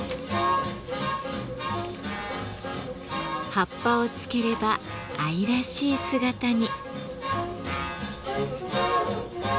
葉っぱをつければ愛らしい姿に。